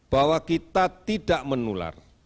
bahwa kita tidak menular